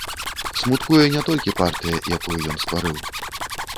Смуткуе не толькі партыя, якую ён стварыў.